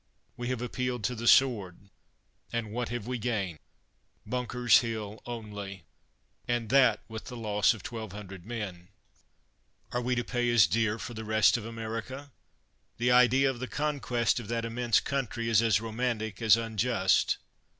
We have appealed to the sword, and what have we gained? Bunker's Hill only — and that with the Loss of twelve hundred men ! Are we to pay as dear for the rest of America? The idea of the conquest of that immense country is as ro mantic as unjust.